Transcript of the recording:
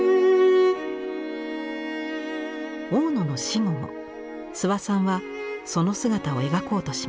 大野の死後も諏訪さんはその姿を描こうとします。